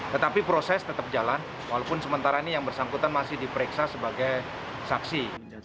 tetapi proses tetap jalan walaupun sementara ini yang bersangkutan masih diperiksa sebagai saksi